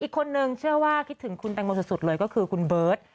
อีกคนนึงเชื่อว่าคิดถึงคุณแตงโมสุดเลยก็คือคุณเบิร์ต